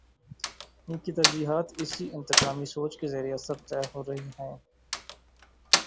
ان کی ترجیحات اسی انتقامی سوچ کے زیر اثر طے ہو رہی ہیں۔